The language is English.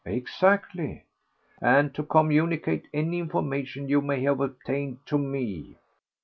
"Exactly." "And to communicate any information you may have obtained to me."